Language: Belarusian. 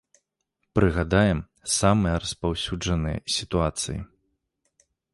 Прыгадаем самыя распаўсюджаныя сітуацыі.